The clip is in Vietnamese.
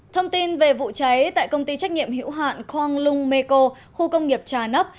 thông tin về vụ cháy tại công ty trách nhiệm hữu hạn khong lung meko khu công nghiệp trà nắp